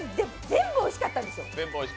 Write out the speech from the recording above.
全部おいしかったんですよ。